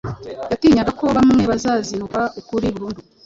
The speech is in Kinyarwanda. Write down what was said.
Yatinyaga ko bamwe bazazinukwa ukuri burundu.